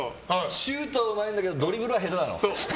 シュートはうまいけどドリブルは下手なの。